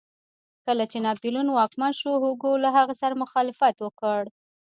کله چې ناپلیون واکمن شو هوګو له هغه سره مخالفت وکړ.